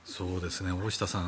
大下さん